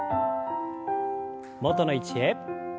元の位置へ。